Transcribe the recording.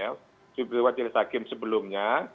majelis hakim sebelumnya